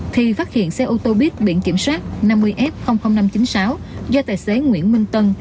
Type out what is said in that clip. thì phát hiện xe ô tô buýt biển kiểm soát năm mươi f năm trăm chín mươi sáu do tài xế nguyễn minh tân